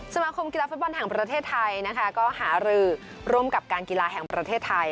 สมาคมกีฬาฟุตบอลแห่งประเทศไทยนะคะก็หารือร่วมกับการกีฬาแห่งประเทศไทย